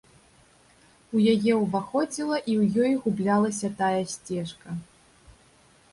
У яе ўваходзіла і ў ёй гублялася тая сцежка.